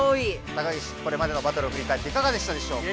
高岸これまでのバトルをふりかえっていかがでしたでしょうか？